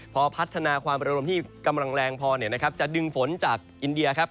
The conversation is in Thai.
พอพัฒนาความประโลมที่กำลังแรงพอเนี่ยนะครับจะดึงฝนจากอินเดียครับ